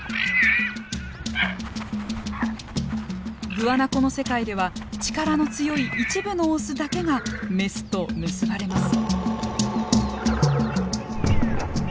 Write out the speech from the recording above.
グアナコの世界では力の強い一部のオスだけがメスと結ばれます。